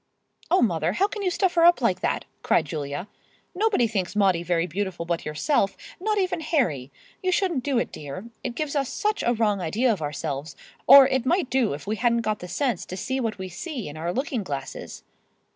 "Oh, mother, how can you stuff her up like that?" cried Julia. "Nobody thinks Maudie very beautiful but yourself—not even Harry. You shouldn't do it, dear. It gives us such a wrong idea of ourselves, or it might do if we hadn't got the sense to see what we see in our looking glasses."